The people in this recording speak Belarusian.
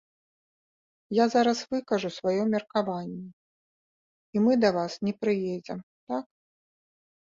Я зараз выкажу сваё меркаванне, і мы да вас не прыедзем, так?